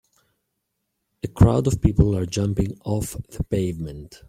A crowd of people are jumping off the pavement.